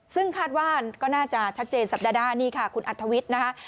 ซึ่งคาดว่าก็น่าจะชัดเจนสัปดาห์หน้านี่ค่ะคุณอัธวิทย์นะคะ